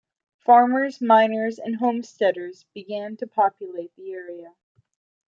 Farmers, miners and homesteaders began to populate the area.